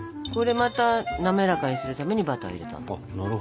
これまた滑らかにするためにバターを入れたの。